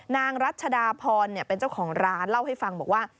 นางรัชดาพรเป็นเจ้าของร้านเล่าให้ฟังบอกว่า